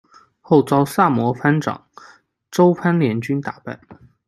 后遭萨摩藩长州藩联军打败。